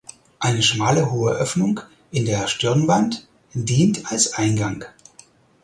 Eine schmale hohe Öffnung in der Stirnwand dient als Eingang.